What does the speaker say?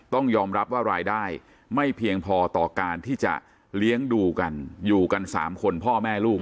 ต้องยอมรับว่ารายได้ไม่เพียงพอต่อการที่จะเลี้ยงดูกันอยู่กัน๓คนพ่อแม่ลูก